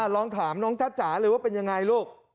ลองถามน้องจ๊ะจ๋าเลยว่าเป็นยังไงลูก